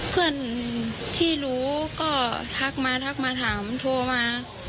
เพื่อนที่รู้ก็ทักมาทักมาถามโทรมา